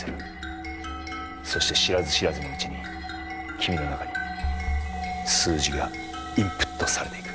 そして知らず知らずのうちに君の中に数字がインプットされていく。